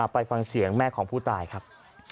ไปฟังเสียงแม่ของผู้ตายครับ